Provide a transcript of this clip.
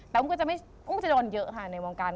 แต่น่ากลัวจะโดนเยอะค่ะในวงการ